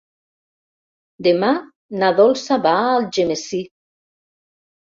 Demà na Dolça va a Algemesí.